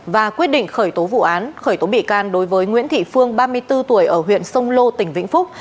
và quyết định khởi tố vụ án khởi tố bị can đối với nguyễn thị phương ba mươi bốn tuổi ở huyện sông lô tỉnh vĩnh phúc